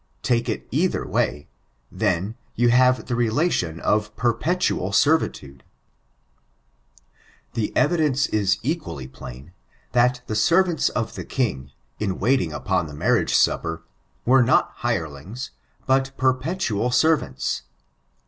Take it either way, then, you have the relation of perpetual servitude. ^^«^«^t^fe^B^^"k^k^h# 530 STRIOTURES The evideDce is equally plain, that the servants of the king, in waiting upon the marriage supper, were not hirelings, but perpetual servants.